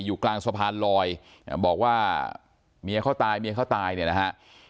อยู่กลางสะพานลอยบอกว่าเมียเขาตายเมียเขาตายเนี่ยนะฮะ